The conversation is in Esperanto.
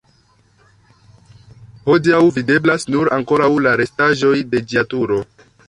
Hodiaŭ videblas nur ankoraŭ la restaĵoj de ĝia turo.